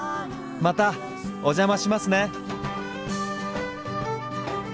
またお邪魔しますね。